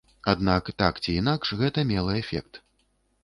Аднак, так ці інакш, гэта мела эфект.